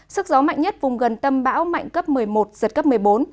sức gió mạnh nhất vùng gần tâm bão mạnh cấp một mươi một giật cấp một mươi bốn